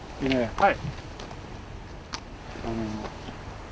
はい。